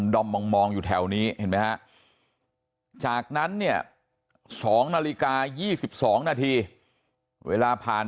ด้มมองอยู่แถวนี้จากนั้นเนี่ย๒นาฬิกา๒๒นาทีเวลาผ่าน